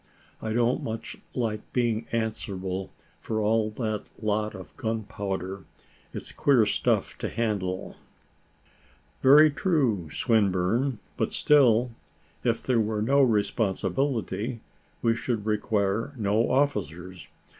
I don't much like being answerable for all that lot of gunpowder it's queer stuff to handle." "Very true, Swinburne; but still, if there were no responsibility, we should require no officers.